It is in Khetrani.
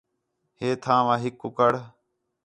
ہو تھاں وا ہِک کُکڑ